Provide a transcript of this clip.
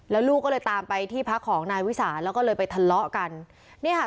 แล้วลูกก็เลยตามไปที่พักของนายวิสาแล้วก็เลยไปทะเลาะกันเนี่ยค่ะ